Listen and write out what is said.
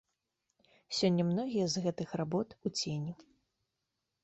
Сёння многія з гэтых работ у цені.